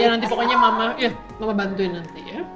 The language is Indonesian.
iya nanti pokoknya mama bantuin nanti ya